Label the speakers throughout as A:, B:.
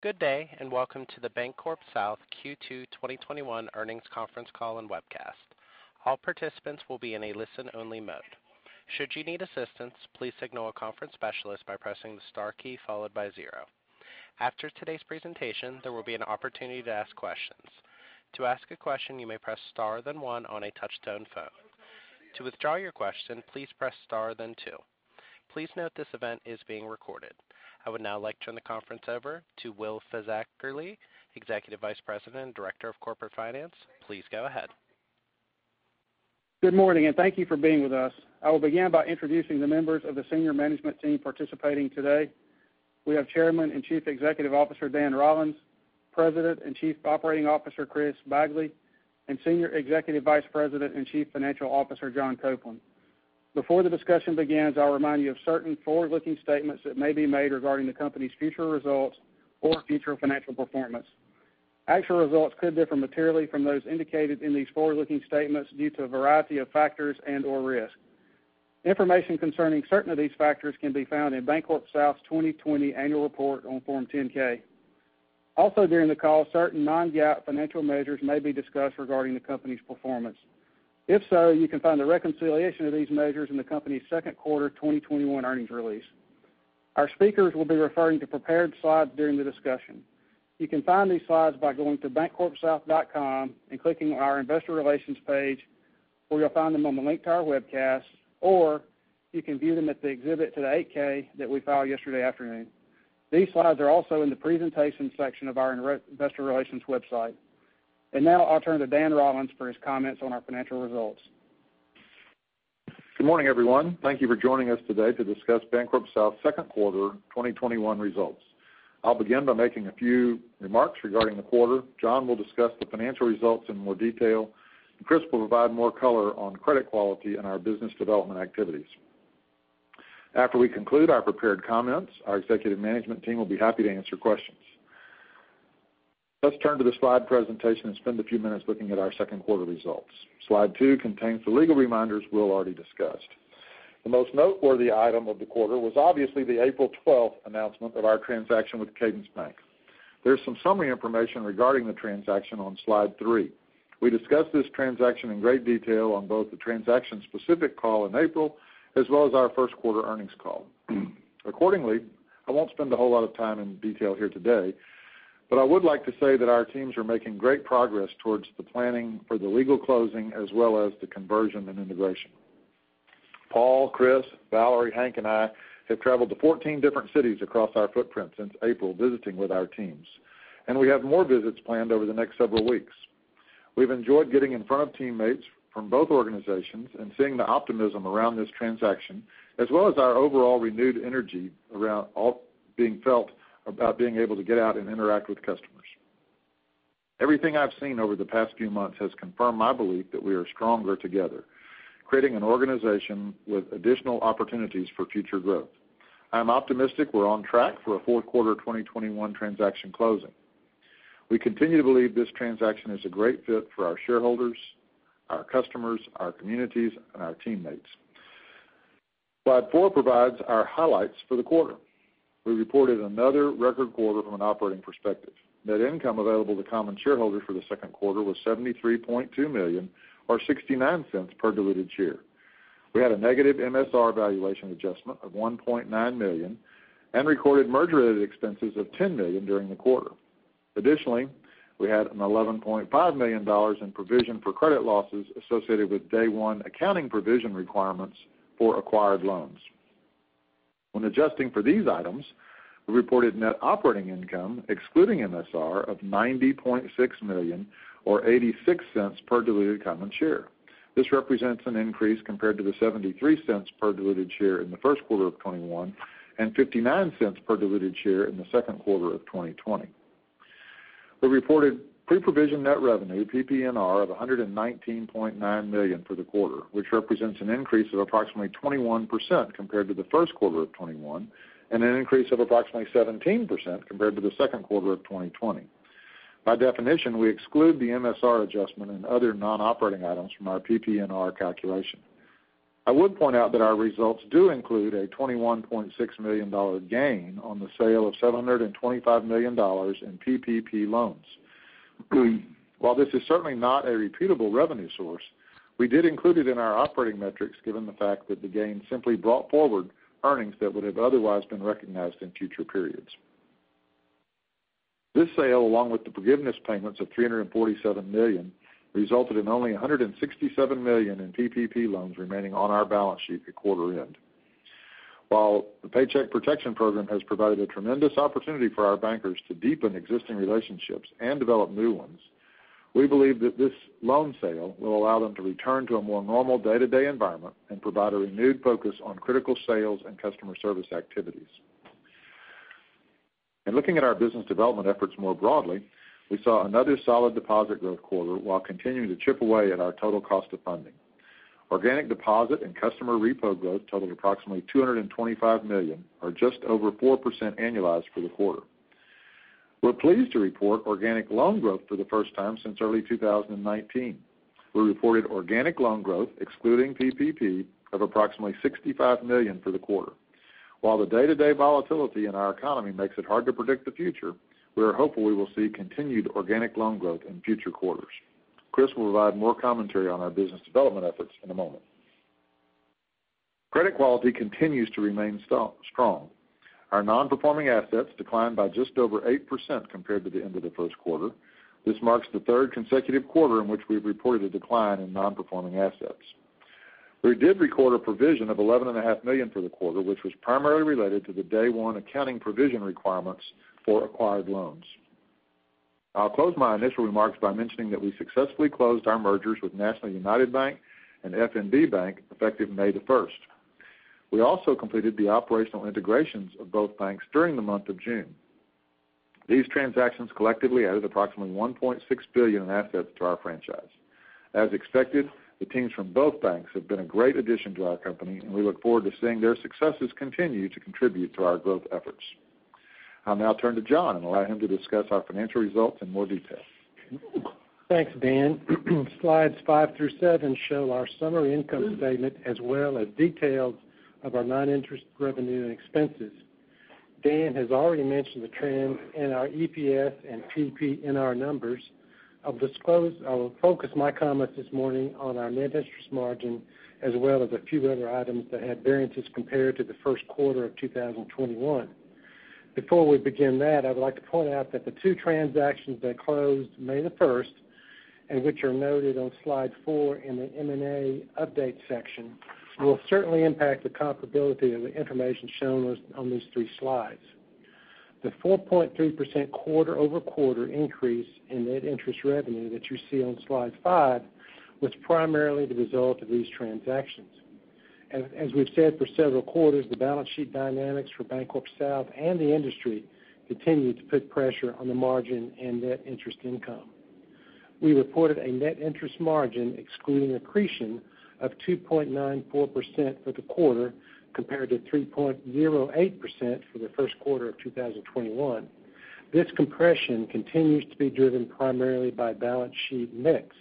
A: Good day and welcome to the Bankcorp South Q2 2021 Earnings Conference Call and Webcast. All participants will be in a listen-only mode. Should you need assistance, please signal a conference specialist by pressing the star key followed by zero. After today's presentation, there will be an opportunity to ask questions. To ask a question, you may press star then one on a touch tone phone. To withdraw your question, please press star then two. Please note this event is being recorded. I would now like to turn the conference over to Will Fisackerly, Executive Vice President and Director of Corporate Finance. Please go ahead.
B: Good morning, and thank you for being with us. I will begin by introducing the members of the senior management team participating today. We have Chairman and Chief Executive Officer, Dan Rollins, President and Chief Operating Officer, Chris Bagley, and Senior Executive Vice President and Chief Financial Officer, John Copeland. Before the discussion begins, I'll remind you of certain forward-looking statements that may be made regarding the company's future results or future financial performance. Actual results could differ materially from those indicated in these forward-looking statements due to a variety of factors and/or risk. Information concerning certain of these factors can be found in BancorpSouth's 2020 annual report on Form 10-K. Also, during the call, certain non-GAAP financial measures may be discussed regarding the company's performance. If so, you can find a reconciliation of these measures in the company's second quarter 2021 earnings release. Our speakers will be referring to prepared slides during the discussion. You can find these slides by going to bancorpsouth.com and clicking on our investor relations page, where you'll find them on the link to our webcast, or you can view them at the exhibit to the 8-K that we filed yesterday afternoon. These slides are also in the presentation section of our investor relations website. Now I'll turn to Dan Rollins for his comments on our financial results.
C: Good morning, everyone. Thank you for joining us today to discuss BancorpSouth's second quarter 2021 results. I'll begin by making a few remarks regarding the quarter. John will discuss the financial results in more detail, and Chris will provide more color on credit quality and our business development activities. After we conclude our prepared comments, our executive management team will be happy to answer questions. Let's turn to the slide presentation and spend a few minutes looking at our second quarter results. Slide two contains the legal reminders Will already discussed. The most noteworthy item of the quarter was obviously the April 12th announcement of our transaction with Cadence Bank. There's some summary information regarding the transaction on slide three. We discussed this transaction in great detail on both the transaction specific call in April, as well as our first quarter earnings call. Accordingly, I won't spend a whole lot of time in detail here today, but I would like to say that our teams are making great progress towards the planning for the legal closing, as well as the conversion and integration. Paul, Chris, Valerie, Hank, and I have traveled to 14 different cities across our footprint since April, visiting with our teams, and we have more visits planned over the next several weeks. We've enjoyed getting in front of teammates from both organizations and seeing the optimism around this transaction, as well as our overall renewed energy being felt about being able to get out and interact with customers. Everything I've seen over the past few months has confirmed my belief that we are stronger together, creating an organization with additional opportunities for future growth. I am optimistic we're on track for a fourth quarter 2021 transaction closing. We continue to believe this transaction is a great fit for our shareholders, our customers, our communities, and our teammates. Slide four provides our highlights for the quarter. We reported another record quarter from an operating perspective. Net income available to common shareholders for the second quarter was $73.2 million or $0.69 per diluted share. We had a negative MSR valuation adjustment of $1.9 million and recorded merger-related expenses of $10 million during the quarter. Additionally, we had an $11.5 million in provision for credit losses associated with day one accounting provision requirements for acquired loans. When adjusting for these items, we reported net operating income excluding MSR of $90.6 million or $0.86 per diluted common share. This represents an increase compared to the $0.73 per diluted share in the first quarter of 2021 and $0.59 per diluted share in the second quarter of 2020. We reported pre-provision net revenue, PPNR, of $119.9 million for the quarter, which represents an increase of approximately 21% compared to the first quarter of 2021, and an increase of approximately 17% compared to the second quarter of 2020. By definition, we exclude the MSR adjustment and other non-operating items from our PPNR calculation. I would point out that our results do include a $21.6 million gain on the sale of $725 million in PPP loans. While this is certainly not a repeatable revenue source, we did include it in our operating metrics given the fact that the gain simply brought forward earnings that would have otherwise been recognized in future periods. This sale, along with the forgiveness payments of $347 million, resulted in only $167 million in PPP loans remaining on our balance sheet at quarter end. While the Paycheck Protection Program has provided a tremendous opportunity for our bankers to deepen existing relationships and develop new ones, we believe that this loan sale will allow them to return to a more normal day-to-day environment and provide a renewed focus on critical sales and customer service activities. In looking at our business development efforts more broadly, we saw another solid deposit growth quarter while continuing to chip away at our total cost of funding. Organic deposit and customer repo growth totaled approximately $225 million or just over 4% annualized for the quarter. We're pleased to report organic loan growth for the first time since early 2019. We reported organic loan growth, excluding PPP, of approximately $65 million for the quarter. While the day-to-day volatility in our economy makes it hard to predict the future, we are hopeful we will see continued organic loan growth in future quarters. Chris will provide more commentary on our business development efforts in a moment. Credit quality continues to remain strong. Our non-performing assets declined by just over 8% compared to the end of the first quarter. This marks the third consecutive quarter in which we've reported a decline in non-performing assets. We did record a provision of $11.5 million for the quarter, which was primarily related to the Day-One accounting provision requirements for acquired loans. I'll close my initial remarks by mentioning that we successfully closed our mergers with National United Bank and FNB Bank effective May 1st. We also completed the operational integrations of both banks during the month of June. These transactions collectively added approximately $1.6 billion in assets to our franchise. As expected, the teams from both banks have been a great addition to our company, and we look forward to seeing their successes continue to contribute to our growth efforts. I'll now turn to John and allow him to discuss our financial results in more detail.
D: Thanks, Dan. Slides five through seven show our summary income statement as well as details of our non-interest revenue and expenses. Dan has already mentioned the trend in our EPS and PPNR numbers. I will focus my comments this morning on our net interest margin as well as a few other items that had variances compared to the 1st quarter of 2021. Before we begin that, I would like to point out that the two transactions that closed May 1st, and which are noted on slide four in the M&A update section, will certainly impact the comparability of the information shown on these three slides. The 4.3% quarter-over-quarter increase in net interest revenue that you see on slide five was primarily the result of these transactions. As we've said for several quarters, the balance sheet dynamics for BancorpSouth and the industry continue to put pressure on the margin and net interest income. We reported a net interest margin, excluding accretion, of 2.94% for the quarter compared to 3.08% for the first quarter of 2021. This compression continues to be driven primarily by balance sheet mix.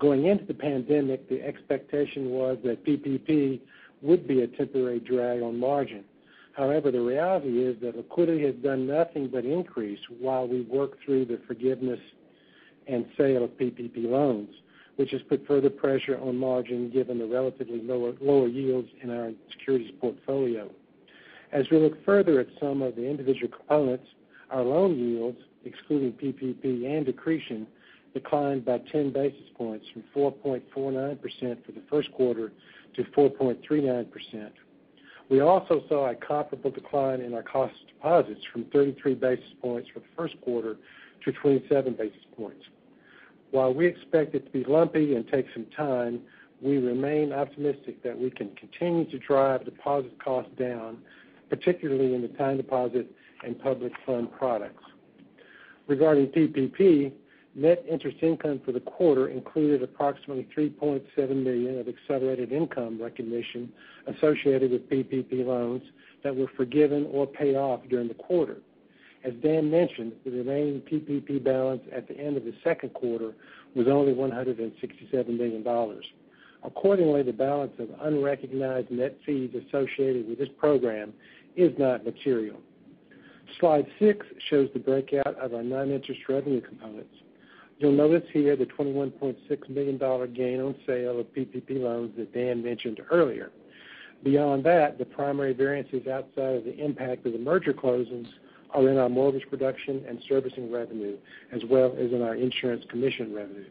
D: Going into the pandemic, the expectation was that PPP would be a temporary drag on margin. However, the reality is that liquidity has done nothing but increase while we work through the forgiveness and sale of PPP loans, which has put further pressure on margin given the relatively lower yields in our securities portfolio. As we look further at some of the individual components, our loan yields, excluding PPP and accretion, declined by 10 basis points from 4.49% for the first quarter to 4.39%. We also saw a comparable decline in our cost deposits from 33 basis points for the first quarter to 27 basis points. While we expect it to be lumpy and take some time, we remain optimistic that we can continue to drive deposit costs down, particularly in the time deposit and public fund products. Regarding PPP, net interest income for the quarter included approximately $3.7 million of accelerated income recognition associated with PPP loans that were forgiven or paid off during the quarter. As Dan mentioned, the remaining PPP balance at the end of the second quarter was only $167 million. Accordingly, the balance of unrecognized net fees associated with this program is not material. Slide six shows the breakout of our non-interest revenue components. You'll notice here the $21.6 million gain on sale of PPP loans that Dan mentioned earlier. Beyond that, the primary variances outside of the impact of the merger closings are in our mortgage production and servicing revenue, as well as in our insurance commission revenue.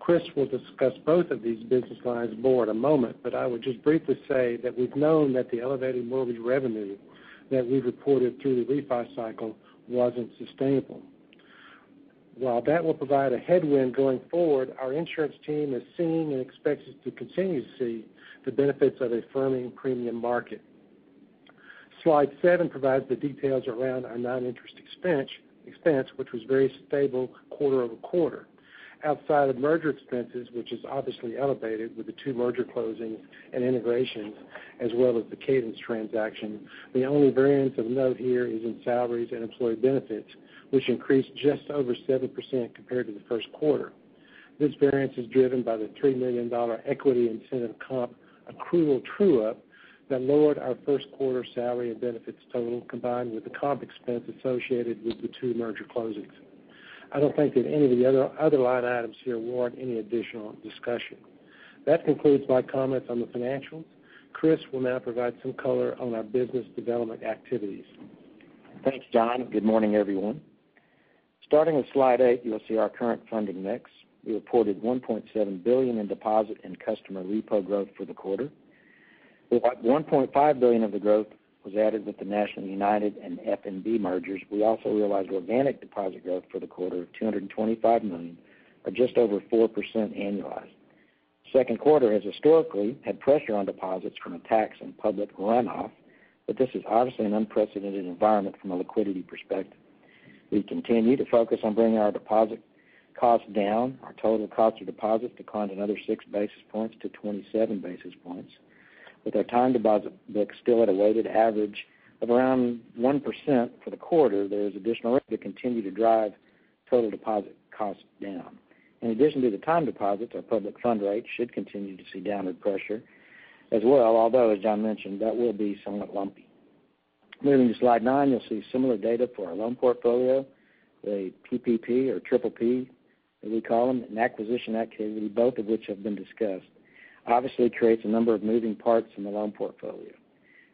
D: Chris will discuss both of these business lines more in a moment, but I would just briefly say that we've known that the elevated mortgage revenue that we reported through the refi cycle wasn't sustainable. While that will provide a headwind going forward, our insurance team has seen and expects us to continue to see the benefits of a firming premium market. Slide seven provides the details around our non-interest expense, which was very stable quarter-over-quarter. Outside of merger expenses, which is obviously elevated with the two merger closings and integrations, as well as the Cadence transaction, the only variance of note here is in salaries and employee benefits, which increased just over 7% compared to the first quarter. This variance is driven by the $3 million equity incentive comp accrual true-up that lowered our first quarter salary and benefits total, combined with the comp expense associated with the two merger closings. I don't think that any of the other line items here warrant any additional discussion. That concludes my comments on the financials. Chris will now provide some color on our business development activities.
E: Thanks, John. Good morning, everyone. Starting with slide eight, you'll see our current funding mix. We reported $1.7 billion in deposit and customer repo growth for the quarter. About $1.5 billion of the growth was added with the National United and FNB mergers. We also realized organic deposit growth for the quarter of $225 million, or just over 4% annualized. Second quarter has historically had pressure on deposits from a tax and public runoff, this is obviously an unprecedented environment from a liquidity perspective. We continue to focus on bringing our deposit costs down. Our total cost of deposit declined another six basis points to 27 basis points. With our time deposit books still at a weighted average of around 1% for the quarter, there is additional room to continue to drive total deposit costs down. In addition to the time deposits, our public fund rate should continue to see downward pressure as well, although, as John Copeland mentioned, that will be somewhat lumpy. Moving to slide nine, you'll see similar data for our loan portfolio, the PPP, or PPP as we call them, and acquisition activity, both of which have been discussed, obviously creates a number of moving parts in the loan portfolio.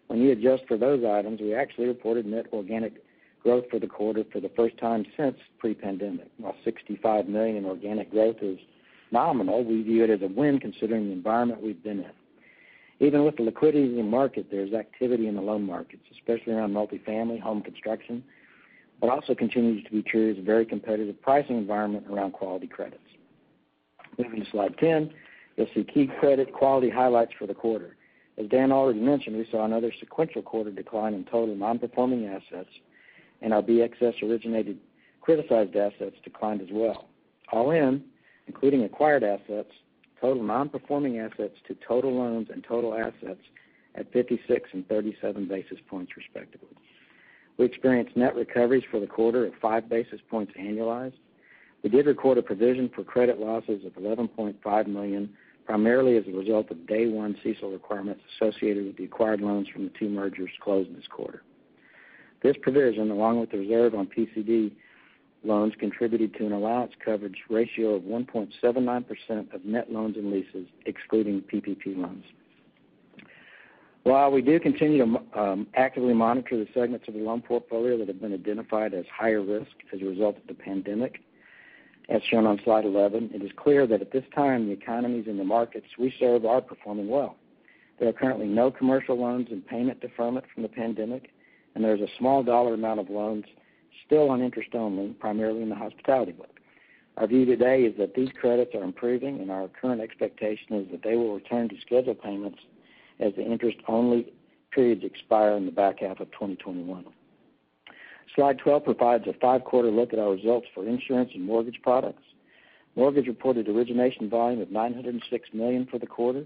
E: When you adjust for those items, we actually reported net organic growth for the quarter for the first time since pre-pandemic. While $65 million in organic growth is nominal, we view it as a win considering the environment we've been in. Even with the liquidity in the market, there's activity in the loan markets, especially around multi-family home construction. What also continues to be true is a very competitive pricing environment around quality credits. Moving to slide 10, you'll see key credit quality highlights for the quarter. As Dan already mentioned, we saw another sequential quarter decline in total non-performing assets and our BXS-originated criticized assets declined as well. All in, including acquired assets, total non-performing assets to total loans and total assets at 56 and 37 basis points, respectively. We experienced net recoveries for the quarter at five basis points annualized. We did record a provision for credit losses of $11.5 million, primarily as a result of day one CECL requirements associated with the acquired loans from the two mergers closed this quarter. This provision, along with the reserve on PCD loans, contributed to an allowance coverage ratio of 1.79% of net loans and leases, excluding PPP loans. While we do continue to actively monitor the segments of the loan portfolio that have been identified as higher risk as a result of the pandemic, as shown on slide 11, it is clear that at this time, the economies and the markets we serve are performing well. There are currently no commercial loans in payment deferment from the pandemic, and there is a small dollar amount of loans still on interest only, primarily in the hospitality book. Our view today is that these credits are improving, and our current expectation is that they will return to scheduled payments as the interest-only periods expire in the back half of 2021. Slide 12 provides a five-quarter look at our results for insurance and mortgage products. Mortgage reported origination volume of $906 million for the quarter,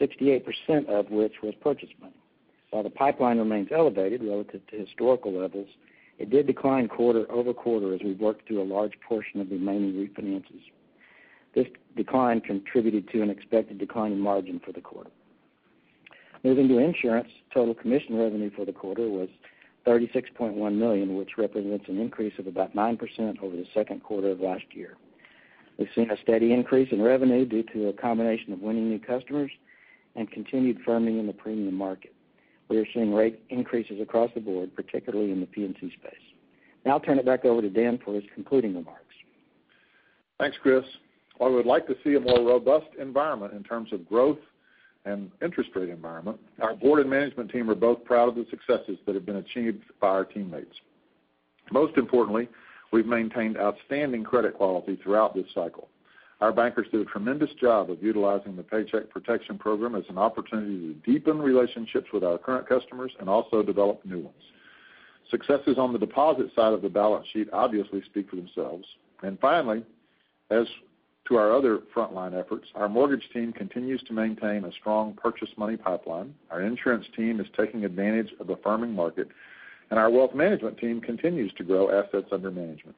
E: 68% of which was purchase money. While the pipeline remains elevated relative to historical levels, it did decline quarter-over-quarter as we worked through a large portion of the remaining refinances. This decline contributed to an expected decline in margin for the quarter. Moving to insurance, total commission revenue for the quarter was $36.1 million, which represents an increase of about 9% over the second quarter of last year. We've seen a steady increase in revenue due to a combination of winning new customers and continued firming in the premium market. We are seeing rate increases across the board, particularly in the P&C space. Now I'll turn it back over to Dan for his concluding remarks.
C: Thanks, Chris. While we would like to see a more robust environment in terms of growth and interest rate environment, our board and management team are both proud of the successes that have been achieved by our teammates. Most importantly, we've maintained outstanding credit quality throughout this cycle. Our bankers did a tremendous job of utilizing the Paycheck Protection Program as an opportunity to deepen relationships with our current customers and also develop new ones. Successes on the deposit side of the balance sheet obviously speak for themselves. Finally, as to our other frontline efforts, our mortgage team continues to maintain a strong purchase money pipeline, our insurance team is taking advantage of a firming market, and our wealth management team continues to grow assets under management.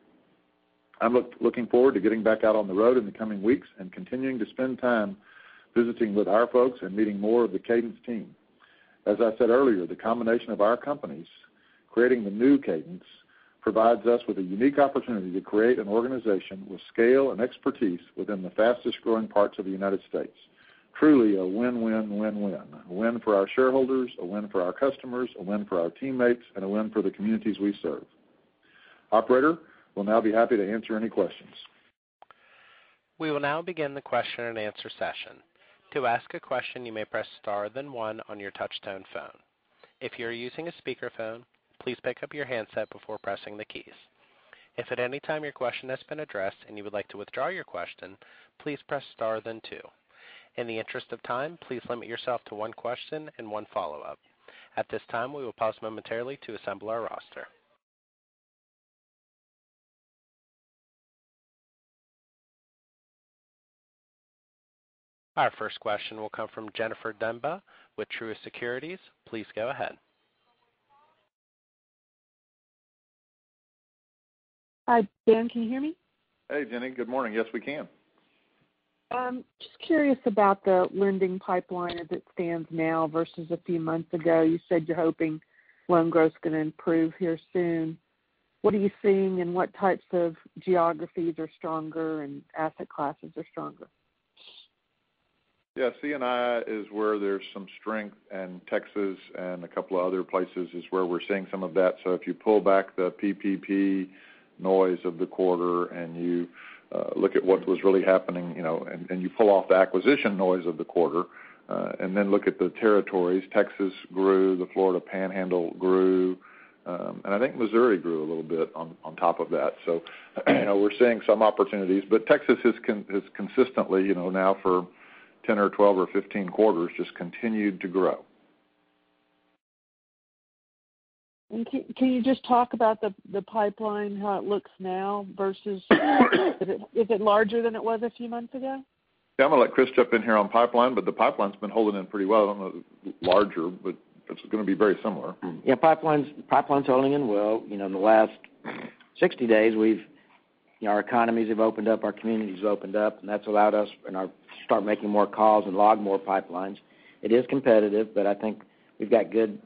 C: I'm looking forward to getting back out on the road in the coming weeks and continuing to spend time visiting with our folks and meeting more of the Cadence team. As I said earlier, the combination of our companies creating the new Cadence provides us with a unique opportunity to create an organization with scale and expertise within the fastest-growing parts of the United States. Truly a win-win-win-win. A win for our shareholders, a win for our customers, a win for our teammates, and a win for the communities we serve. Operator, we'll now be happy to answer any questions.
A: We will now begin the question and answer session. To ask a question, you may press star then one on your touch tone phone. If you are using a speakerphone, please pick up your handset before pressing the keys. If at any time your question has been addressed and you would like to withdraw your question, please press star then two. In the interest of time, please limit yourself to one question and one follow-up. At this time, we will pause momentarily to assemble our roster. Our first question will come from Jennifer Demba with Truist Securities. Please go ahead.
F: Hi, Dan, can you hear me?
C: Hey, Jenny. Good morning. Yes, we can.
F: Just curious about the lending pipeline as it stands now versus a few months ago. You said you're hoping loan growth's going to improve here soon. What are you seeing, and what types of geographies are stronger and asset classes are stronger?
C: C&I is where there's some strength, and Texas and a couple of other places is where we're seeing some of that. If you pull back the PPP noise of the quarter and you look at what was really happening, and you pull off the acquisition noise of the quarter, and then look at the territories, Texas grew, the Florida Panhandle grew, and I think Missouri grew a little bit on top of that. We're seeing some opportunities, but Texas has consistently, now for 10 or 12 or 15 quarters, just continued to grow.
F: Can you just talk about the pipeline, how it looks now. Is it larger than it was a few months ago?
C: Yeah. I'm going to let Chris jump in here on pipeline, but the pipeline's been holding in pretty well. I don't know if it's larger, but it's going to be very similar.
E: Yeah. Pipeline's holding in well. In the last 60 days, our economies have opened up, our communities have opened up, and that's allowed us to start making more calls and log more pipelines. It is competitive, but I think we've got good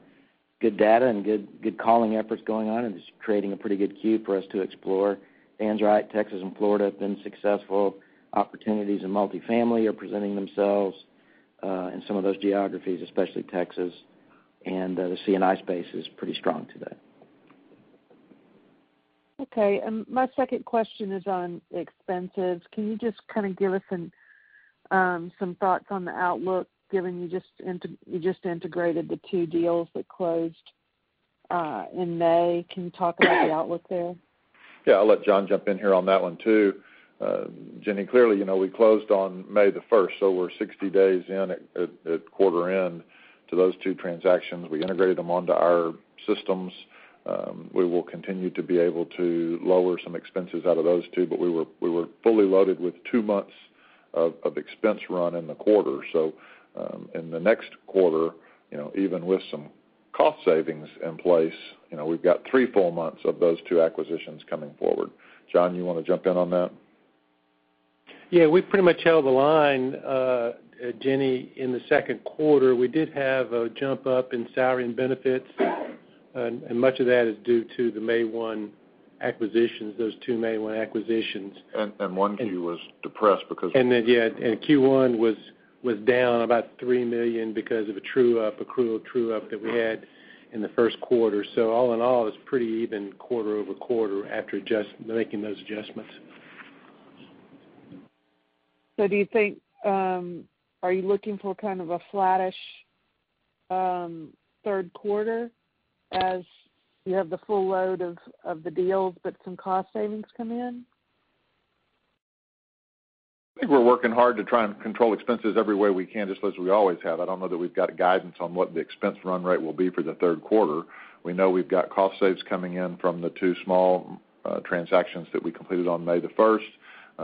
E: data and good calling efforts going on, and it's creating a pretty good queue for us to explore. Dan's right. Texas and Florida have been successful. Opportunities in multifamily are presenting themselves, in some of those geographies, especially Texas. The C&I space is pretty strong today.
F: Okay. My second question is on expenses. Can you just kind of give us some thoughts on the outlook, given you just integrated the two deals that closed in May? Can you talk about the outlook there?
C: Yeah. I'll let John Copeland jump in here on that one, too. Jennifer Demba, clearly, we closed on May the first, so we're 60 days in at quarter end to those two transactions. We integrated them onto our systems. We will continue to be able to lower some expenses out of those two, but we were fully loaded with two months of expense run in the quarter. In the next quarter, even with some cost savings in place, we've got three full months of those two acquisitions coming forward. John Copeland, you want to jump in on that?
D: Yeah. We pretty much held the line, Jennifer, in the second quarter. We did have a jump up in salary and benefits. Much of that is due to the May 1 acquisitions, those two May 1 acquisitions.
C: 1 Q was depressed because.
D: Q1 was down about $3 million because of a true-up, accrual true-up that we had in the first quarter. All in all, it was pretty even quarter-over-quarter after making those adjustments.
F: Are you looking for kind of a flattish third quarter as you have the full load of the deals, but some cost savings come in?
C: I think we're working hard to try and control expenses every way we can, just as we always have. I don't know that we've got a guidance on what the expense run rate will be for the third quarter. We know we've got cost saves coming in from the two small transactions that we completed on May the first.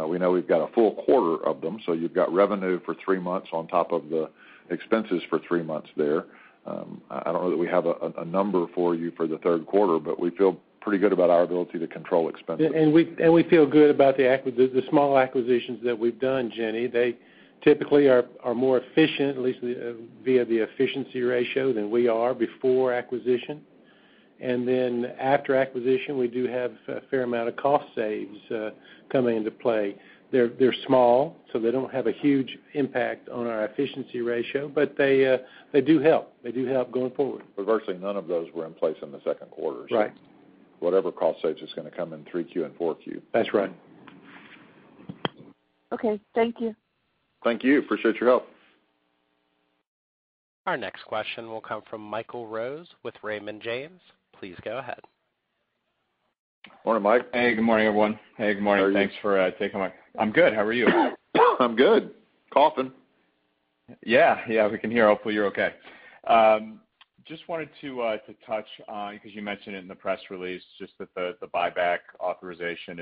C: We know we've got a full quarter of them, so you've got revenue for three months on top of the expenses for three months there. I don't know that we have a number for you for the third quarter, but we feel pretty good about our ability to control expenses.
D: We feel good about the small acquisitions that we've done, Jenny. They typically are more efficient, at least via the efficiency ratio, than we are before acquisition. Then after acquisition, we do have a fair amount of cost saves coming into play. They're small, so they don't have a huge impact on our efficiency ratio, but they do help. They do help going forward.
C: Reversely, none of those were in place in the second quarter.
D: Right.
C: Whatever cost save is going to come in 3Q and 4Q.
D: That's right.
F: Okay. Thank you.
C: Thank you. Appreciate your help.
A: Our next question will come from Michael Rose with Raymond James. Please go ahead.
C: Morning, Mike.
G: Hey. Good morning, everyone. Hey, good morning.
C: How are you?
G: I'm good. How are you?
C: I'm good. Coughing.
G: Yeah. We can hear. Hopefully, you're okay. Just wanted to touch on, because you mentioned it in the press release, just that the buyback authorization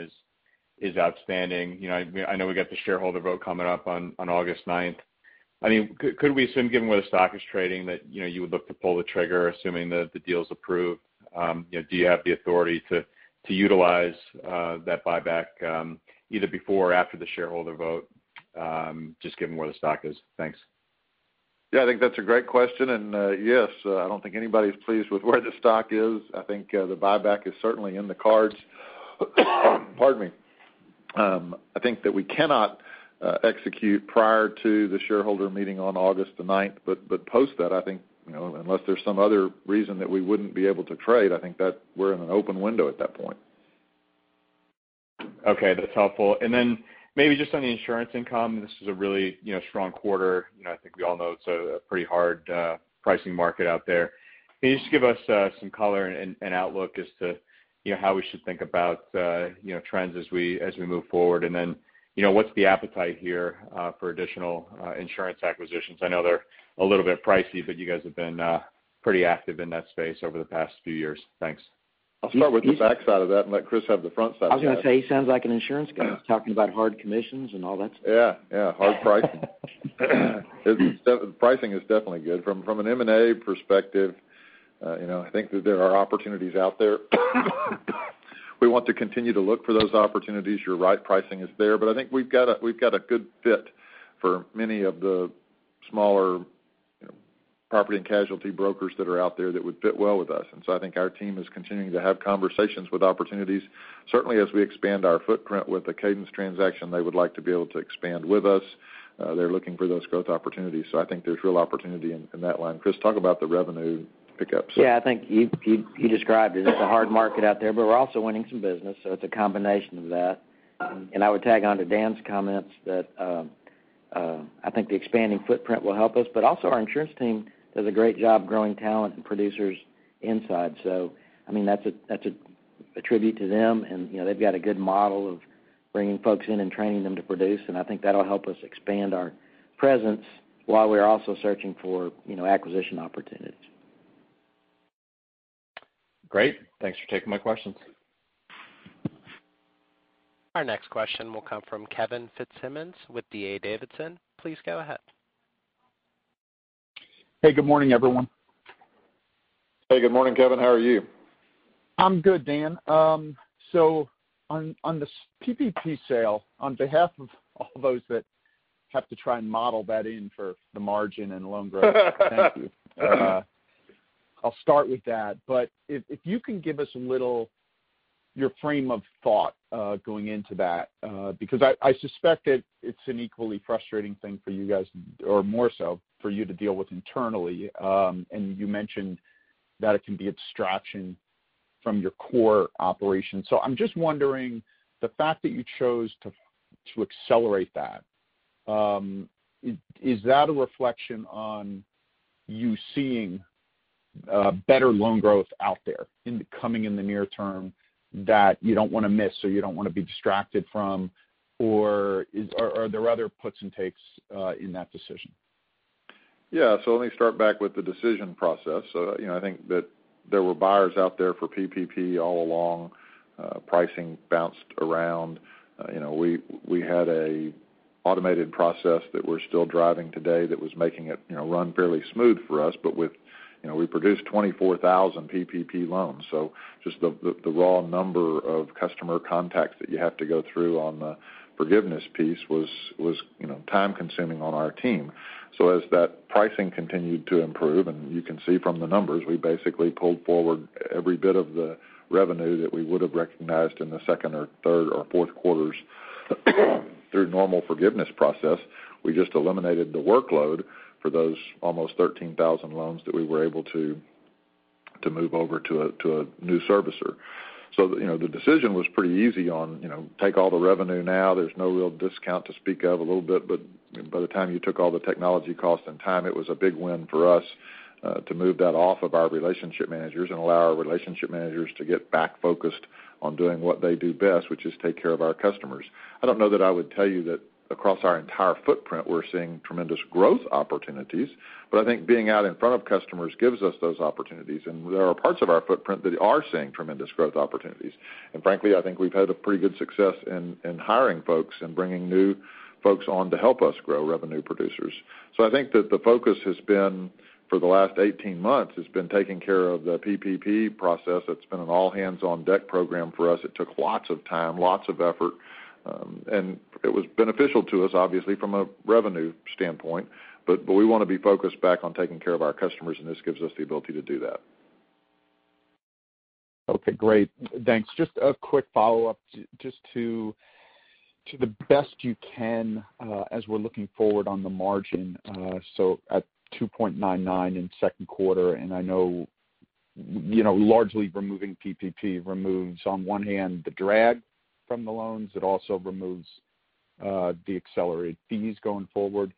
G: is outstanding. I know we got the shareholder vote coming up on August 9th. Could we assume, given where the stock is trading, that you would look to pull the trigger, assuming that the deal is approved? Do you have the authority to utilize that buyback, either before or after the shareholder vote, just given where the stock is? Thanks.
C: Yeah. I think that's a great question, and yes, I don't think anybody's pleased with where the stock is. I think the buyback is certainly in the cards. Pardon me. I think that we cannot execute prior to the shareholder meeting on August the 9th. Post that, I think, unless there's some other reason that we wouldn't be able to trade, I think that we're in an open window at that point.
G: Okay. That's helpful. Maybe just on the insurance income, this was a really strong quarter. I think we all know it's a pretty hard pricing market out there. Can you just give us some color and outlook as to how we should think about trends as we move forward? What's the appetite here for additional insurance acquisitions? I know they're a little bit pricey, but you guys have been pretty active in that space over the past few years. Thanks.
C: I'll start with the back side of that and let Chris have the front side of that.
D: I was going to say, he sounds like an insurance guy, talking about hard commissions and all that stuff.
C: Yeah. Hard pricing. Pricing is definitely good. From an M&A perspective, I think that there are opportunities out there. We want to continue to look for those opportunities. You're right, pricing is there. I think we've got a good fit for many of the smaller property and casualty brokers that are out there that would fit well with us. I think our team is continuing to have conversations with opportunities. Certainly, as we expand our footprint with the Cadence transaction, they would like to be able to expand with us. They're looking for those growth opportunities. I think there's real opportunity in that line. Chris, talk about the revenue pickups.
E: Yeah. I think I described it. It's a hard market out there, but we're also winning some business, so it's a combination of that. I would tag onto Dan's comments that I think the expanding footprint will help us. Also, our insurance team does a great job growing talent and producers inside. That's a tribute to them. They've got a good model of Bringing folks in and training them to produce. I think that'll help us expand our presence while we're also searching for acquisition opportunities.
G: Great. Thanks for taking my questions.
A: Our next question will come from Kevin Fitzsimmons with D.A. Davidson. Please go ahead.
H: Hey, good morning, everyone.
C: Hey, good morning, Kevin. How are you?
H: I'm good, Dan. On the PPP sale, on behalf of all those that have to try and model that in for the margin and loan growth. Thank you. I'll start with that, if you can give us your frame of thought, going into that, because I suspect that it's an equally frustrating thing for you guys, or more so, for you to deal with internally. You mentioned that it can be a distraction from your core operation. I'm just wondering, the fact that you chose to accelerate that, is that a reflection on you seeing better loan growth out there coming in the near term that you don't want to miss, or you don't want to be distracted from? Are there other puts and takes in that decision?
C: Yeah. Let me start back with the decision process. I think that there were buyers out there for PPP all along. Pricing bounced around. We had an automated process that we're still driving today that was making it run fairly smooth for us. We produced 24,000 PPP loans, so just the raw number of customer contacts that you have to go through on the forgiveness piece was time-consuming on our team. As that pricing continued to improve, and you can see from the numbers, we basically pulled forward every bit of the revenue that we would've recognized in the second or third or fourth quarters through normal forgiveness process. We just eliminated the workload for those almost 13,000 loans that we were able to move over to a new servicer. The decision was pretty easy on take all the revenue now. There's no real discount to speak of, a little bit, but by the time you took all the technology cost and time, it was a big win for us to move that off of our relationship managers and allow our relationship managers to get back focused on doing what they do best, which is take care of our customers. I don't know that I would tell you that across our entire footprint, we're seeing tremendous growth opportunities, but I think being out in front of customers gives us those opportunities, and there are parts of our footprint that are seeing tremendous growth opportunities. Frankly, I think we've had a pretty good success in hiring folks and bringing new folks on to help us grow revenue producers. I think that the focus has been, for the last 18 months, taking care of the PPP process. It's been an all-hands-on-deck program for us. It took lots of time, lots of effort, and it was beneficial to us, obviously, from a revenue standpoint. We want to be focused back on taking care of our customers, and this gives us the ability to do that.
H: Okay, great. Thanks. Just a quick follow-up. Just to the best you can, as we're looking forward on the margin, at 2.99% in second quarter. I know largely removing PPP removes, on one hand, the drag from the loans. It also removes the accelerated fees going forward.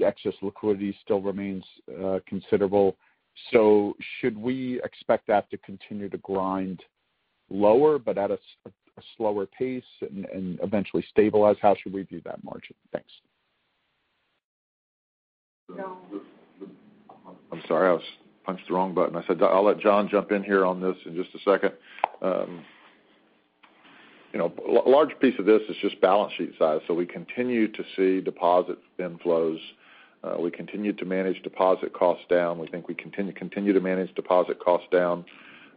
H: Excess liquidity still remains considerable. Should we expect that to continue to grind lower, but at a slower pace and eventually stabilize? How should we view that margin? Thanks.
C: I'm sorry, I punched the wrong button. I said, I'll let John Copeland jump in here on this in just a second. A large piece of this is just balance sheet size. We continue to see deposit inflows. We continue to manage deposit costs down. We think we continue to manage deposit costs down.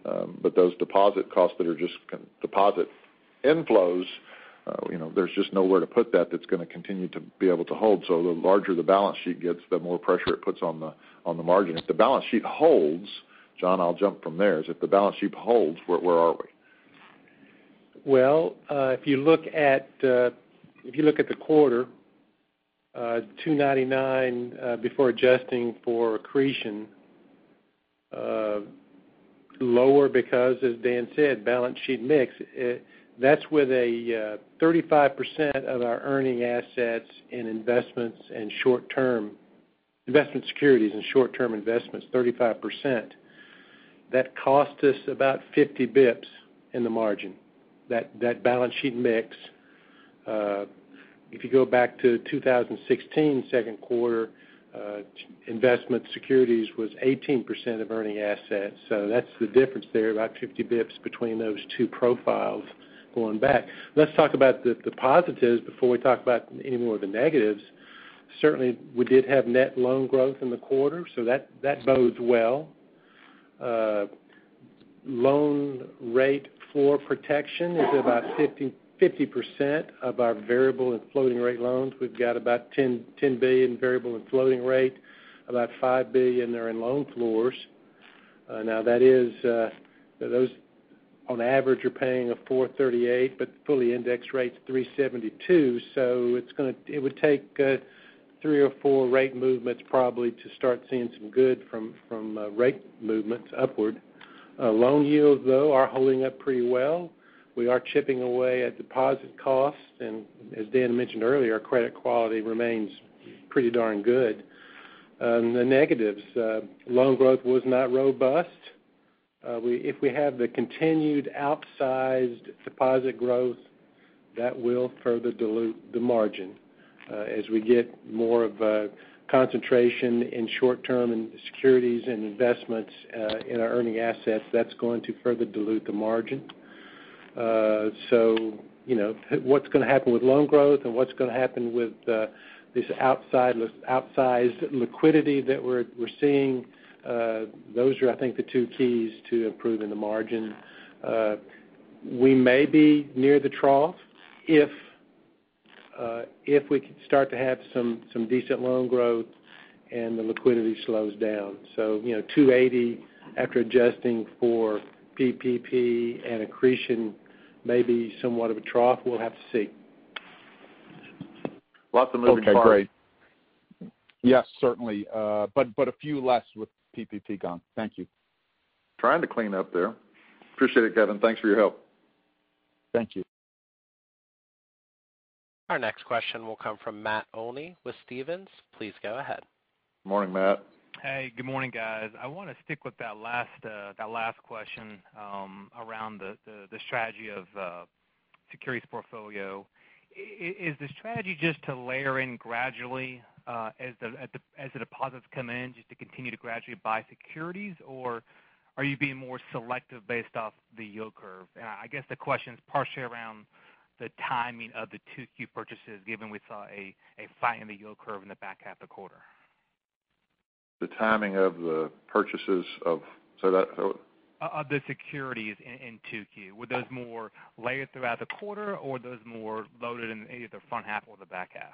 C: Those deposit costs that are just deposit inflows, there's just nowhere to put that that's going to continue to be able to hold. The larger the balance sheet gets, the more pressure it puts on the margin. If the balance sheet holds, John Copeland, I'll jump from there. If the balance sheet holds, where are we?
D: Well, if you look at the quarter, $299 before adjusting for accretion, lower because, as Dan said, balance sheet mix. That's with a 35% of our earning assets in investment securities and short-term investments, 35%. That cost us about 50 basis points in the margin, that balance sheet mix. If you go back to 2016 second quarter, investment securities was 18% of earning assets. That's the difference there, about 50 basis points between those two profiles going back. Let's talk about the positives before we talk about any more of the negatives. Certainly, we did have net loan growth in the quarter, so that bodes well. Loan rate floor protection is about 50% of our variable and floating rate loans. We've got about $10 billion in variable and floating rate. About $5 billion are in loan floors. Those, on average, are paying a 438, but fully indexed rate's 372. It would take three or four rate movements probably to start seeing some good from rate movements upward. Loan yields, though, are holding up pretty well. We are chipping away at deposit costs. As Dan Rollins mentioned earlier, credit quality remains pretty darn good. The negatives, loan growth was not robust. If we have the continued outsized deposit growth, that will further dilute the margin. As we get more of a concentration in short-term and securities and investments in our earning assets, that's going to further dilute the margin. What's going to happen with loan growth and what's going to happen with this outsized liquidity that we're seeing, those are, I think, the two keys to improving the margin. We may be near the trough if we could start to have some decent loan growth and the liquidity slows down. $280 after adjusting for PPP and accretion may be somewhat of a trough. We'll have to see.
H: Lots of moving parts.
C: Okay, great.
D: Yes, certainly. A few less with PPP gone. Thank you.
C: Trying to clean up there. Appreciate it, Kevin. Thanks for your help.
H: Thank you.
A: Our next question will come from Matt Olney with Stephens. Please go ahead.
C: Morning, Matt.
I: Hey, good morning, guys. I want to stick with that last question around the strategy of securities portfolio. Is the strategy just to layer in gradually as the deposits come in, just to continue to gradually buy securities? Are you being more selective based off the yield curve? I guess the question is partially around the timing of the 2Q purchases, given we saw a shift in the yield curve in the back half of the quarter.
C: The timing of the purchases of Say that--
I: Of the securities in 2Q. Were those more layered throughout the quarter, or were those more loaded in either the front half or the back half?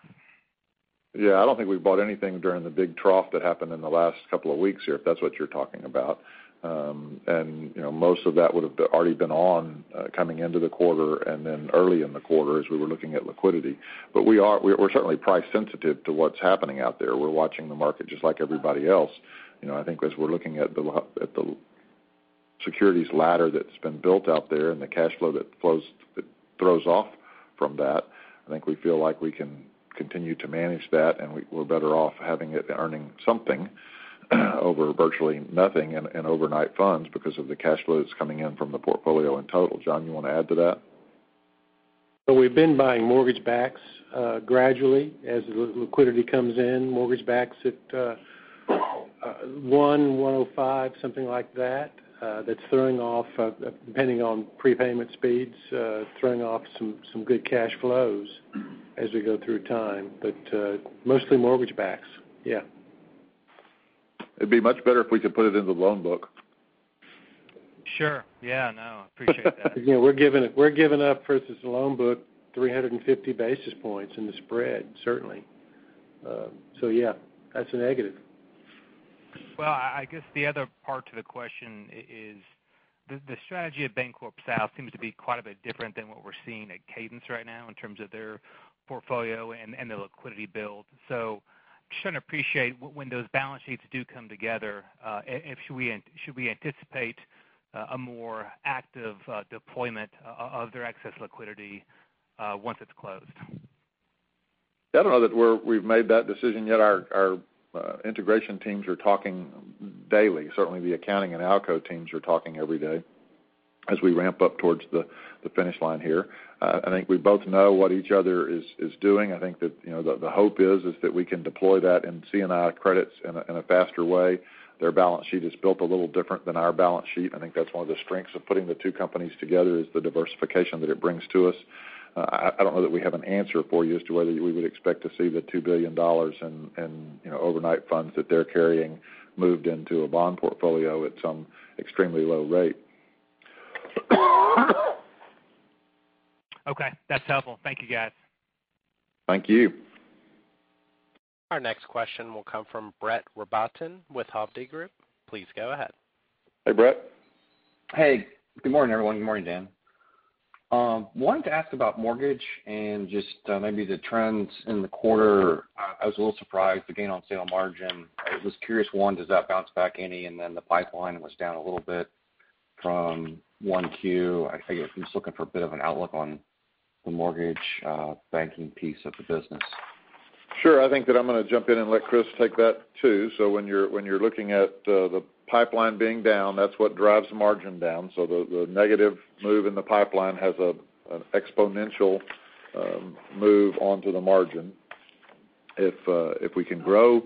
C: Yeah, I don't think we bought anything during the big trough that happened in the last couple of weeks here, if that's what you're talking about. Most of that would've already been on coming into the quarter and then early in the quarter as we were looking at liquidity. We're certainly price sensitive to what's happening out there. We're watching the market just like everybody else. I think as we're looking at the securities ladder that's been built out there and the cash flow that throws off from that, I think we feel like we can continue to manage that, and we're better off having it earning something over virtually nothing in overnight funds because of the cash flow that's coming in from the portfolio in total. John, you want to add to that?
D: We've been buying mortgage backs gradually as liquidity comes in, mortgage backs at 100, 105, something like that's throwing off, depending on prepayment speeds, throwing off some good cash flows as we go through time. Mostly mortgage backs. Yeah.
C: It'd be much better if we could put it into the loan book.
I: Sure. Yeah, no, appreciate that.
D: We're giving up versus the loan book 350 basis points in the spread, certainly. Yeah, that's a negative.
I: Well, I guess the other part to the question is the strategy of BancorpSouth seems to be quite a bit different than what we're seeing at Cadence right now in terms of their portfolio and their liquidity build. Just trying to appreciate when those balance sheets do come together, should we anticipate a more active deployment of their excess liquidity once it's closed?
C: I don't know that we've made that decision yet. Our integration teams are talking daily. Certainly, the accounting and ALCO teams are talking every day as we ramp up towards the finish line here. I think we both know what each other is doing. I think that the hope is that we can deploy that in C&I credits in a faster way. Their balance sheet is built a little different than our balance sheet. I think that's one of the strengths of putting the two companies together is the diversification that it brings to us. I don't know that we have an answer for you as to whether we would expect to see the $2 billion in overnight funds that they're carrying moved into a bond portfolio at some extremely low rate.
I: Okay, that's helpful. Thank you, guys.
C: Thank you.
A: Our next question will come from Brett Rabatin with Hovde Group. Please go ahead.
C: Hey, Brett.
J: Hey, good morning, everyone. Good morning, Dan. Wanted to ask about mortgage and just maybe the trends in the quarter. I was a little surprised the gain on sale margin. I was curious, one, does that bounce back any? The pipeline was down a little bit from 1Q. I guess I'm just looking for a bit of an outlook on the mortgage banking piece of the business.
C: Sure. I think that I'm going to jump in and let Chris take that, too. When you're looking at the pipeline being down, that's what drives margin down. The negative move in the pipeline has an exponential move onto the margin. If we can grow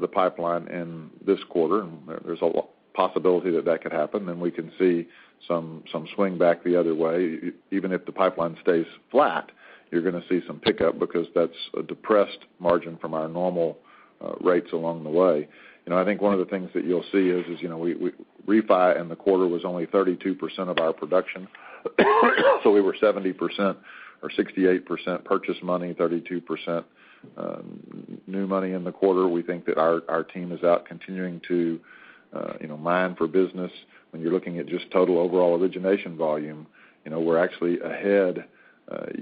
C: the pipeline in this quarter, and there's a possibility that that could happen, then we can see some swing back the other way. Even if the pipeline stays flat, you're going to see some pickup because that's a depressed margin from our normal rates along the way. I think one of the things that you'll see is refi in the quarter was only 32% of our production. We were 70% or 68% purchase money, 32% new money in the quarter. We think that our team is out continuing to mine for business. When you're looking at just total overall origination volume, we're actually ahead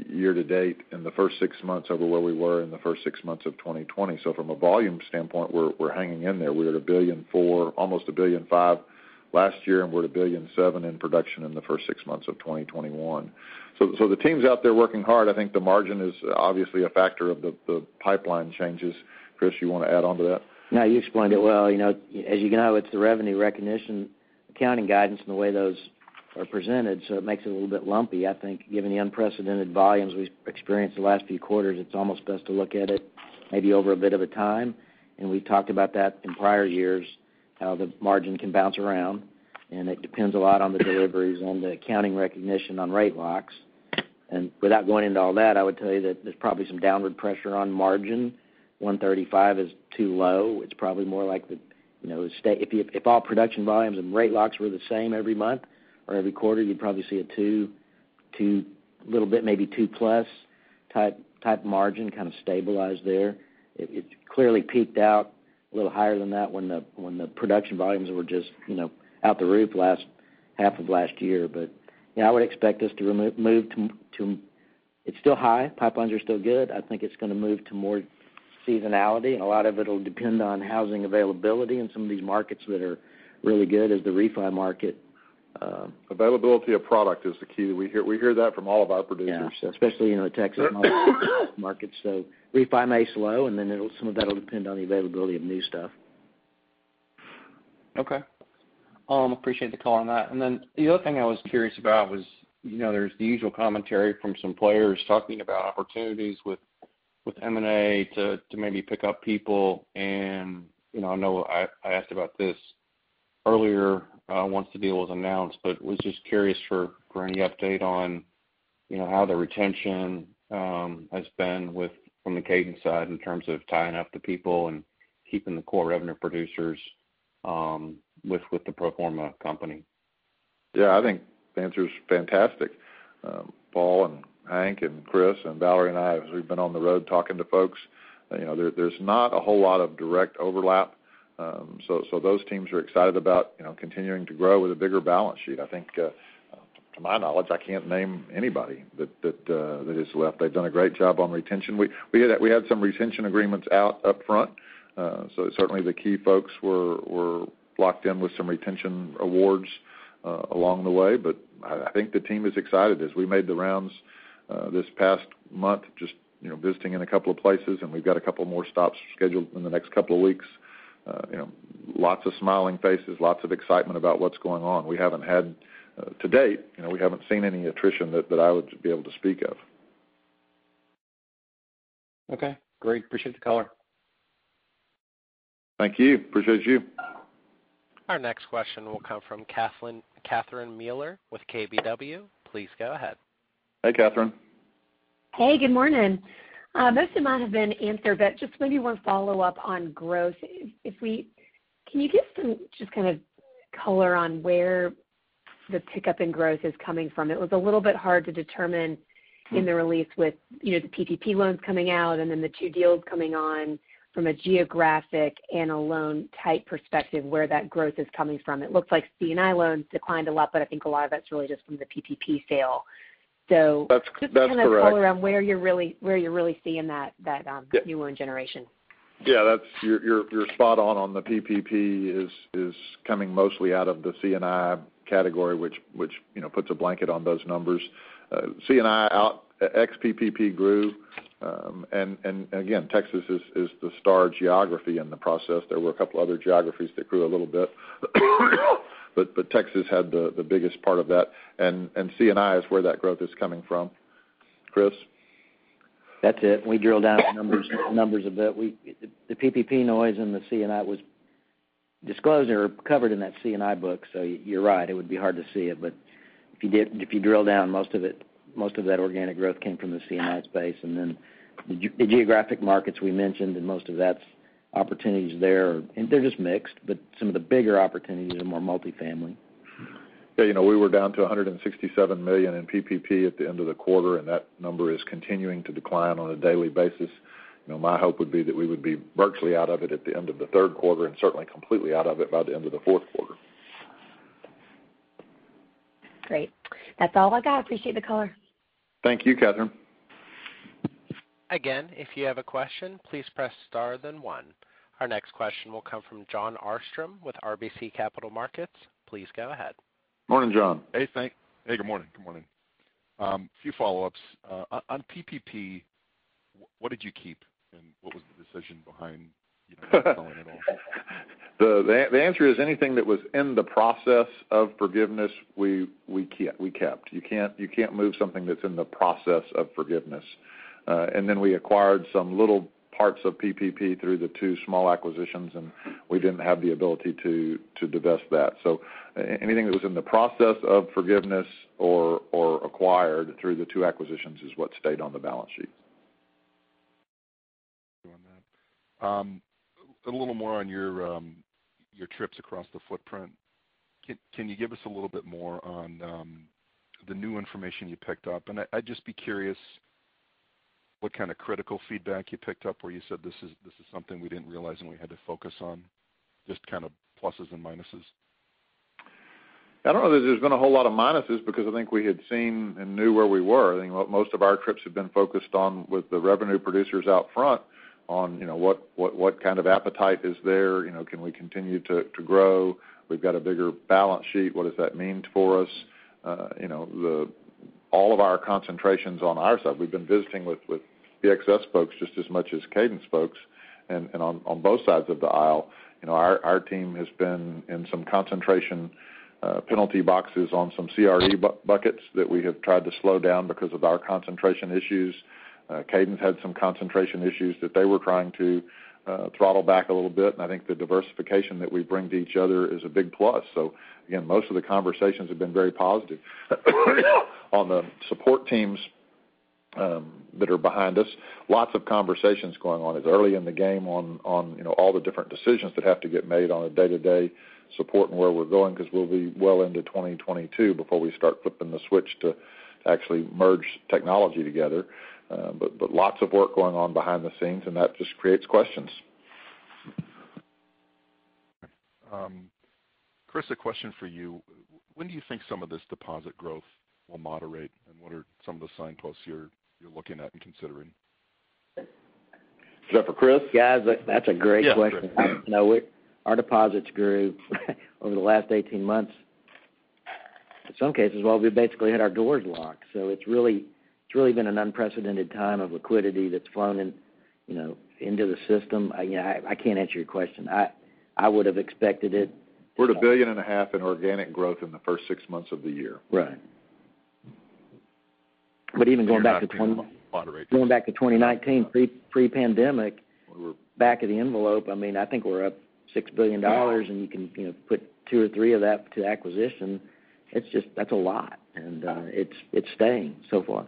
C: year to date in the first six months over where we were in the first six months of 2020. From a volume standpoint, we're hanging in there. We're at $1.4 billion, almost $1.5 billion last year, and we're at $1.7 billion in production in the first six months of 2021. The team's out there working hard. I think the margin is obviously a factor of the pipeline changes. Chris, you want to add on to that?
E: No, you explained it well. As you know, it's the revenue recognition accounting guidance and the way those are presented, so it makes it a little bit lumpy. I think given the unprecedented volumes we've experienced the last few quarters, it's almost best to look at it maybe over a bit of a time. We've talked about that in prior years, how the margin can bounce around, and it depends a lot on the deliveries, on the accounting recognition on rate locks. Without going into all that, I would tell you that there's probably some downward pressure on margin. 135 is too low. It's probably more like, if all production volumes and rate locks were the same every month or every quarter, you'd probably see a little bit maybe 2+ type margin kind of stabilize there. It clearly peaked out a little higher than that when the production volumes were just out the roof last half of last year. I would expect this to move to. It's still high. Pipelines are still good. I think it's going to move to more seasonality, and a lot of it'll depend on housing availability in some of these markets that are really good as the refi market.
C: Availability of product is the key. We hear that from all of our producers.
E: Yeah, especially in the Texas markets. Refi may slow, and then some of that'll depend on the availability of new stuff.
J: Okay. Appreciate the color on that. Then the other thing I was curious about was, there's the usual commentary from some players talking about opportunities with M&A to maybe pick up people, and I know I asked about this earlier, once the deal was announced, but was just curious for any update on how the retention has been from the Cadence side in terms of tying up the people and keeping the core revenue producers with the pro forma company.
C: Yeah, I think the answer is fantastic. Paul and Hank and Chris and Valerie and I, as we've been on the road talking to folks, there's not a whole lot of direct overlap. Those teams are excited about continuing to grow with a bigger balance sheet. I think, to my knowledge, I can't name anybody that has left. They've done a great job on retention. We had some retention agreements out up front. Certainly, the key folks were locked in with some retention awards along the way. I think the team is excited. As we made the rounds this past month, just visiting in a couple of places, and we've got a couple more stops scheduled in the next couple of weeks. Lots of smiling faces, lots of excitement about what's going on. To date, we haven't seen any attrition that I would be able to speak of.
J: Okay, great. Appreciate the color.
C: Thank you. Appreciate you.
A: Our next question will come from Catherine Mealor with KBW. Please go ahead.
C: Hey, Catherine.
K: Hey, good morning. Most of mine have been answered. Just maybe one follow-up on growth. Can you give some just kind of color on where the pickup in growth is coming from? It was a little bit hard to determine in the release with the PPP loans coming out and then the two deals coming on from a geographic and a loan type perspective, where that growth is coming from. It looks like C&I loans declined a lot. I think a lot of that's really just from the PPP sale.
C: That's correct.
K: Just kind of color around where you're really seeing that new loan generation?
C: Yeah, you're spot on the PPP is coming mostly out of the C&I category, which puts a blanket on those numbers. C&I ex PPP grew. Again, Texas is the star geography in the process. There were a couple other geographies that grew a little bit, but Texas had the biggest part of that, and C&I is where that growth is coming from. Chris?
E: That's it. We drill down on the numbers a bit. The PPP noise and the C&I was disclosed or covered in that C&I book. You're right, it would be hard to see it, but if you drill down, most of that organic growth came from the C&I space, and then the geographic markets we mentioned, and most of that's opportunities there are just mixed, but some of the bigger opportunities are more multi-family.
C: Yeah, we were down to $167 million in PPP at the end of the quarter. That number is continuing to decline on a daily basis. My hope would be that we would be virtually out of it at the end of the third quarter. Certainly completely out of it by the end of the fourth quarter.
K: Great. That's all I got. Appreciate the color.
C: Thank you, Catherine.
A: Again, if you have a question, please press star then one. Our next question will come from Jon Arfstrom with RBC Capital Markets. Please go ahead.
C: Morning, Jon.
L: Hey. Good morning. A few follow-ups. On PPP, what did you keep, and what was the decision behind not selling at all?
C: The answer is anything that was in the process of forgiveness, we kept. You can't move something that's in the process of forgiveness. We acquired some little parts of PPP through the two small acquisitions, and we didn't have the ability to divest that. Anything that was in the process of forgiveness or acquired through the two acquisitions is what stayed on the balance sheet.
L: On that. A little more on your trips across the footprint. Can you give us a little bit more on the new information you picked up? I'd just be curious what kind of critical feedback you picked up where you said, "This is something we didn't realize and we had to focus on," just kind of pluses and minuses.
C: I don't know that there's been a whole lot of minuses because I think we had seen and knew where we were. I think most of our trips had been focused on with the revenue producers out front on what kind of appetite is there? Can we continue to grow? We've got a bigger balance sheet. What does that mean for us? All of our concentrations on our side, we've been visiting with BXS folks just as much as Cadence folks, and on both sides of the aisle, our team has been in some concentration penalty boxes on some CRE buckets that we have tried to slow down because of our concentration issues. Cadence had some concentration issues that they were trying to throttle back a little bit. I think the diversification that we bring to each other is a big plus. Again, most of the conversations have been very positive. On the support teams that are behind us, lots of conversations going on. It's early in the game on all the different decisions that have to get made on a day-to-day support and where we're going, because we'll be well into 2022 before we start flipping the switch to actually merge technology together. Lots of work going on behind the scenes, and that just creates questions.
L: Chris, a question for you. When do you think some of this deposit growth will moderate, and what are some of the signposts you're looking at and considering?
C: Is that for Chris?
E: Guys, that's a great question.
L: Yeah, Chris.
E: Our deposits grew over the last 18 months, in some cases, while we basically had our doors locked. It's really been an unprecedented time of liquidity that's flown into the system. I can't answer your question. I would've expected it.
C: We're at a billion and a half in organic growth in the first six months of the year.
E: Right.
C: We're not going to moderate.
E: going back to 2019, pre-pandemic.
C: We're-
E: back of the envelope, I think we're up $6 billion.
C: Yeah
E: You can put two or three of that to acquisition. That's a lot. It's staying so far.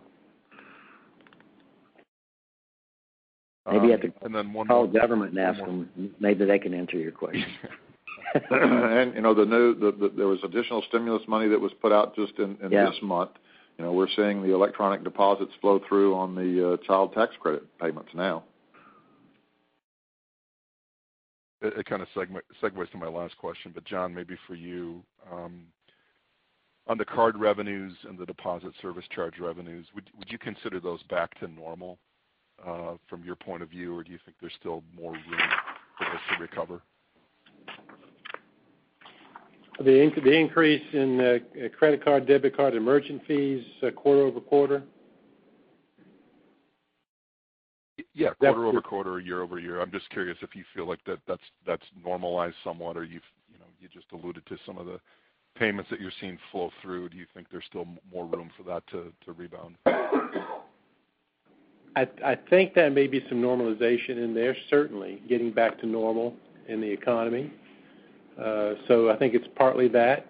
C: And then one more-
E: call the government and ask them. Maybe they can answer your question.
C: There was additional stimulus money that was put out just in this month.
E: Yes.
C: We're seeing the electronic deposits flow through on the Child Tax Credit payments now.
L: It kind of segues to my last question, John, maybe for you. On the card revenues and the deposit service charge revenues, would you consider those back to normal from your point of view, or do you think there's still more room for this to recover?
D: The increase in credit card, debit card, and merchant fees quarter-over-quarter?
L: Yeah, quarter-over-quarter or year-over-year. I'm just curious if you feel like that's normalized somewhat, or you just alluded to some of the payments that you're seeing flow through. Do you think there's still more room for that to rebound?
D: I think there may be some normalization in there, certainly, getting back to normal in the economy. I think it's partly that.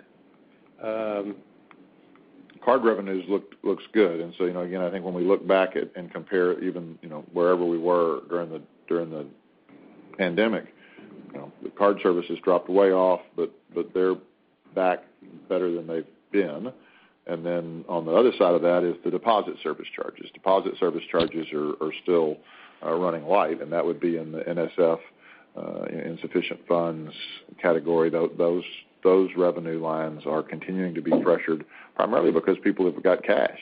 C: Card revenues looks good. Again, I think when we look back at and compare even wherever we were during the pandemic, the card services dropped way off, but they're back better than they've been. Then on the other side of that is the deposit service charges. Deposit service charges are still running light, and that would be in the NSF, insufficient funds category. Those revenue lines are continuing to be pressured primarily because people have got cash.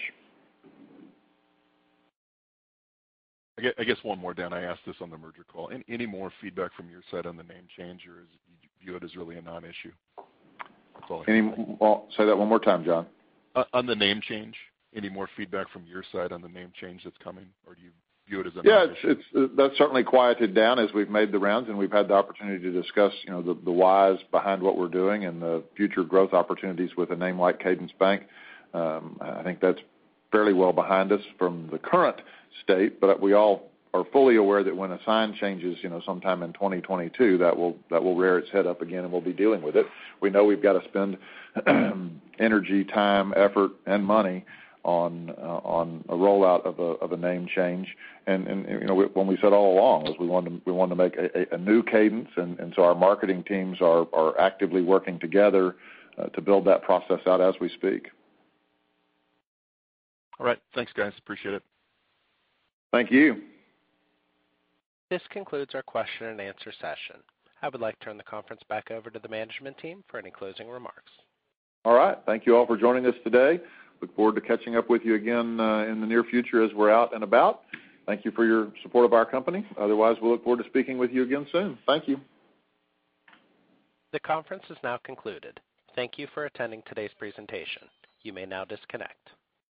L: I guess one more, Dan. I asked this on the merger call. Any more feedback from your side on the name change, or do you view it as really a non-issue? That's all I have.
C: Say that one more time, Jon.
L: On the name change, any more feedback from your side on the name change that's coming, or do you view it as a non-issue?
C: Yeah, that certainly quieted down as we've made the rounds, and we've had the opportunity to discuss the whys behind what we're doing and the future growth opportunities with a name like Cadence Bank. I think that's fairly well behind us from the current state, but we all are fully aware that when a sign changes sometime in 2022, that will rear its head up again, and we'll be dealing with it. We know we've got to spend energy, time, effort, and money on a rollout of a name change. What we said all along is we want to make a new Cadence, and so our marketing teams are actively working together to build that process out as we speak.
L: All right. Thanks, guys. Appreciate it.
C: Thank you.
A: This concludes our question-and-answer session. I would like to turn the conference back over to the management team for any closing remarks.
C: All right. Thank you all for joining us today. Look forward to catching up with you again in the near future as we're out and about. Thank you for your support of our company. Otherwise, we'll look forward to speaking with you again soon. Thank you.
A: The conference is now concluded. Thank you for attending today's presentation. You may now disconnect.